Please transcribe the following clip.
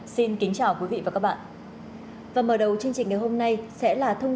xin chào quý vị và các bạn